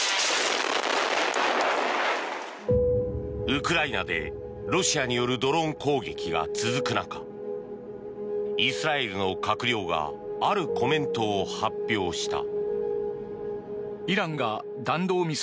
ウクライナで、ロシアによるドローン攻撃が続く中イスラエルの閣僚があるコメントを発表した。